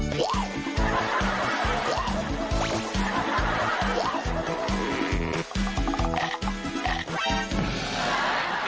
กินไก่ที่ยะละ